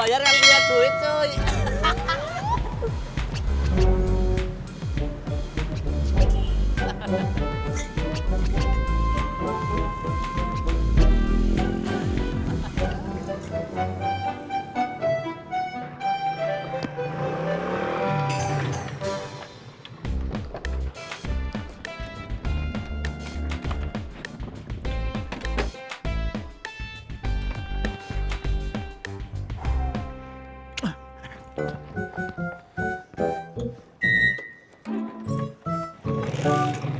yang ini kita nomerin ga tapi ya